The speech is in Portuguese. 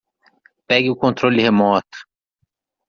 Pegue o controle remoto.